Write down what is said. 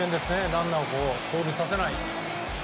ランナーを盗塁させない。